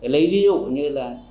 lấy ví dụ như là